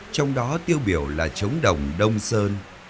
trong đó tiêu biểu là trống đồng đông sơn